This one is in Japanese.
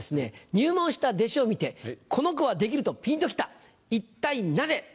「入門した弟子を見てこの子はできるとぴんと来た一体なぜ？」です。